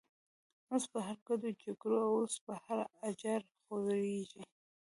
اوس په هر کډو جگیږی، اوس په هر”اجړ” خوریږی